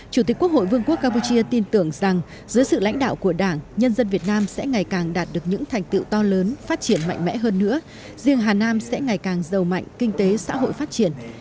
chủ tịch quốc hội vương quốc campuchia tin tưởng rằng dưới sự lãnh đạo của đảng nhân dân việt nam sẽ ngày càng đạt được những thành tựu to lớn phát triển mạnh mẽ hơn nữa riêng hà nam sẽ ngày càng giàu mạnh kinh tế xã hội phát triển